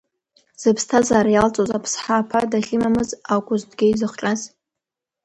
Зыԥсҭазаара иалҵуаз Аԥсҳа аԥа дахьимамыз акәызҭгьы изыхҟьоз?